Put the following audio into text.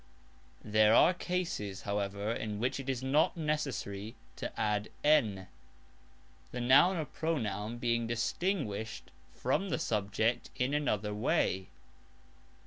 There are cases, however, in which it is not necessary to add "n", the noun or pronoun being distinguished from the subject in another way.